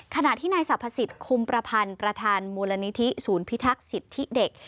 ขณะที่นายสรรพสิทธิคุมประพันธ์ประธานมูลนิธิศูนย์พิทักษ์สิทธิเด็ก